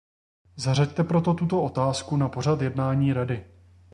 Zařaďte proto tuto otázku na pořad jednání Rady.